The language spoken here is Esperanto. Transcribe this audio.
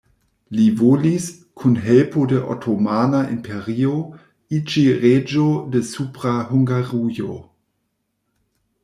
Li volis, kun helpo de Otomana Imperio, iĝi reĝo de Supra Hungarujo.